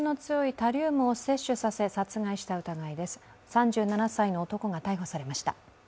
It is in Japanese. ３７歳の男が逮捕されました。